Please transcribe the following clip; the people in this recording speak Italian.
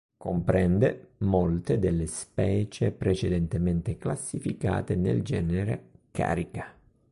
Comprende molte delle specie precedentemente classificate nel genere "Carica".